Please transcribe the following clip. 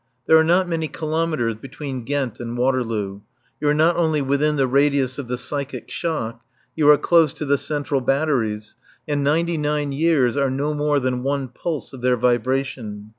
There are not many kilometres between Ghent and Waterloo; you are not only within the radius of the psychic shock, you are close to the central batteries, and ninety nine years are no more than one pulse of their vibration.